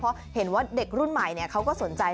เพราะเห็นว่าเด็กรุ่นใหม่เขาก็สนใจ